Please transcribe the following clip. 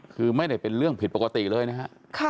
คือไม่ได้เป็นเรื่องผิดปกติเลยนะฮะ